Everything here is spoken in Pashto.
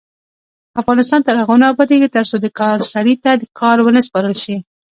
افغانستان تر هغو نه ابادیږي، ترڅو د کار سړي ته کار ونه سپارل شي.